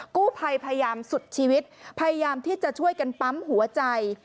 กู้ภัยพยายามสุดชีวิตพยายามที่จะช่วยกันปั๊มหัวใจ